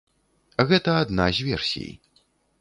Гэта адна з версій.